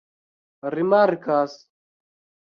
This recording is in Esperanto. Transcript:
rimarkas